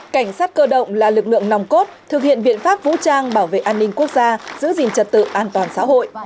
cảnh sát cơ động là lực lượng nòng cốt thực hiện biện pháp vũ trang bảo vệ an ninh quốc gia giữ gìn trật tự an toàn xã hội